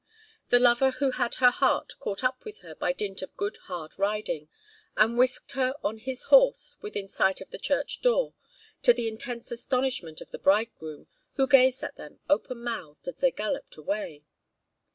The lover who had her heart caught up with her by dint of good hard riding, and whisked her on his horse within sight of the church door, to the intense astonishment of the bridegroom, who gazed at them open mouthed as they galloped away.